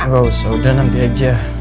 gak usah udah nanti aja